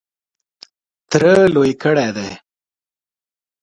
تره لوی کړی دی .